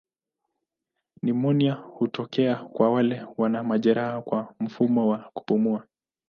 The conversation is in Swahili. Nimonia hutokea kwa wale wana majeraha kwa mfumo wa kupumua.